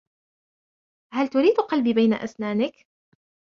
هل تريد قلبي بين أسنانك ؟